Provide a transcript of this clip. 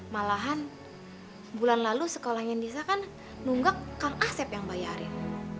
malahan bulan lalu sekolahnya nisa kan nunggak kang asep yang bayarin